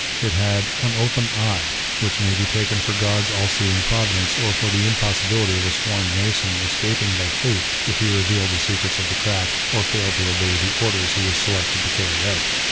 It had " an open eye," which may be taken for God's all seeing providence, or for the impossibility of a sworn Mason escaping his fate if he revealed the secrets of the craft or failed to obey the orders he was selected to carry out.